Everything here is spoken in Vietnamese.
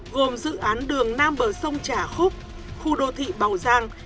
gồm dự án đường nam bờ sông trà khúc khu đô thị bảo giang